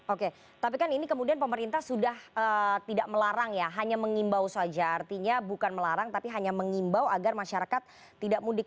oke tapi kan ini kemudian pemerintah sudah tidak melarang ya hanya mengimbau saja artinya bukan melarang tapi hanya mengimbau agar masyarakat tidak mudik